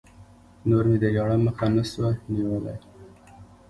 نور مې د ژړا مخه نه سوه نيولى.